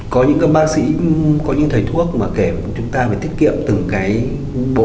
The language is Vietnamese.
có những bác sĩ có những thầy thuốc mà kể chúng ta phải tiết kiệm từng cái bộ